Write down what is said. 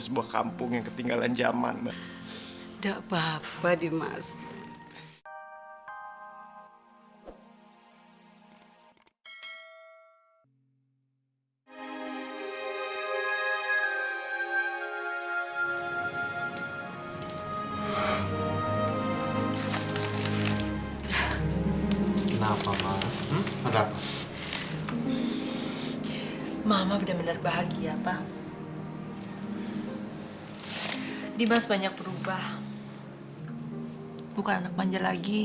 sampai jumpa di video selanjutnya